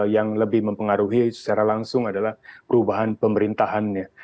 yang lebih mempengaruhi secara langsung adalah perubahan pemerintahannya